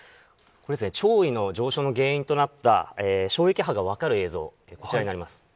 潮位の上昇の原因となった衝撃波が分かる映像、こちらになります。